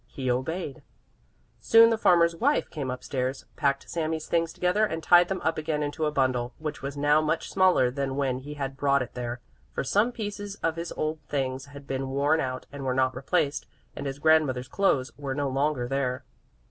He obeyed. Soon the farmer's wife came upstairs, packed Sami's things together and tied them up again into a bundle, which was now much smaller than when he had brought it there, for some pieces of his old things had been worn out and were not replaced, and his grandmother's clothes were no longer there.